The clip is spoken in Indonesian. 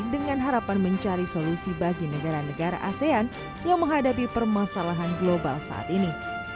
dengan harapan mencari solusi bagi negara negara asean yang menghadapi permasalahan global saat ini